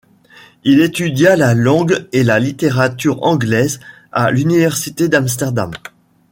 Il étudia la langue et la littérature anglaises à l’université d’Amsterdam.